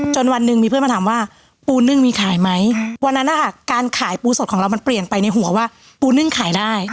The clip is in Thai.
วันหนึ่งมีเพื่อนมาถามว่าปูนึ่งมีขายไหมวันนั้นนะคะการขายปูสดของเรามันเปลี่ยนไปในหัวว่าปูนึ่งขายได้